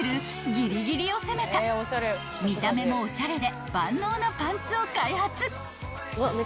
ギリギリを攻めた見た目もおしゃれで万能なパンツを開発］